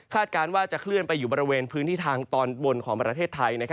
การว่าจะเคลื่อนไปอยู่บริเวณพื้นที่ทางตอนบนของประเทศไทย